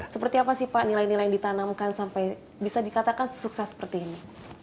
seperti apa sih pak nilai nilai yang ditanamkan sampai bisa dikatakan sesuksa seperti ini